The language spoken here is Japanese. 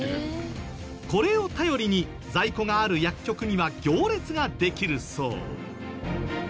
これを頼りに在庫がある薬局には行列ができるそう。